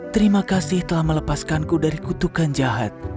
terima kasih telah melepaskanku dari kutukan jahat